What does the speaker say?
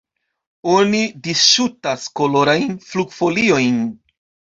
Oni disŝutas kolorajn flugfoliojn.